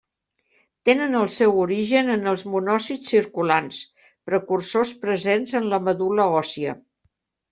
Tenen el seu origen en els monòcits circulants, precursors presents en la medul·la òssia.